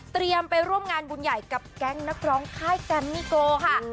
ไปร่วมงานบุญใหญ่กับแก๊งนักร้องค่ายแจมมี่โกค่ะ